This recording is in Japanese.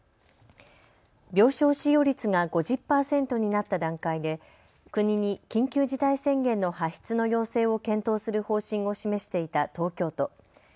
病床使用率が５０％になった段階で国に緊急事態宣言の発出の要請を検討する方針を示していた東京都。